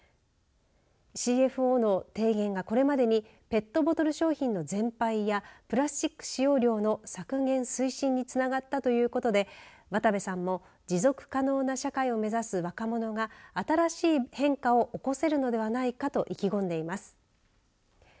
ＣＦＯの提言が、これまでにペットボトル商品の全廃やプラスチック使用量の削減推進につながったということで渡部さんも持続可能な社会を目指す若者が新しい変化を起こせるのではないかと意気込んでいます。